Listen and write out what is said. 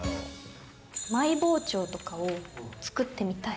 マイ包丁とかを作ってみたい。